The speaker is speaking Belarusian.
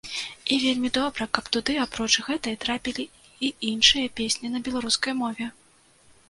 І вельмі добра, каб туды апроч гэтай, трапілі і іншыя песні на беларускай мове.